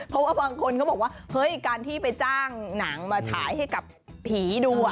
เพราะว่าบางคนก็บอกว่าเฮ้ยการที่ไปจ้างหนังมาฉายให้กับผีดู